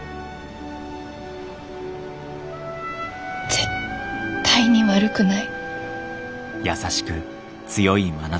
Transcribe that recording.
絶対に悪くない。